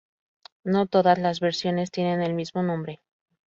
No todas las versiones tienen el mismo nombre.